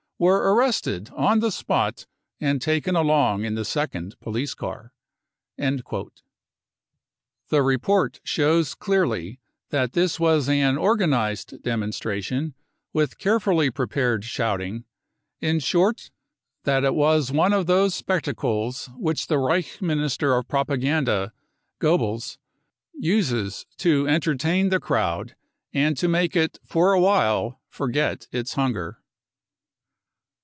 * were arrested on the spot and taken along in the second police car. 55 The report shows clearly that this was an organised demonstration with carefully prepared shouting — in short, that it was one of those spectacles which the Reich Minister j of Propaganda, Goebbels, uses to»entertain the crowd and I to make it for a while forget its hunger.